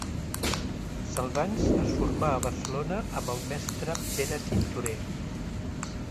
Salvans es formà a Barcelona amb el mestre Pere Tintorer.